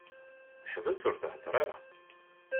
Teḥbes ur theddeṛ ara.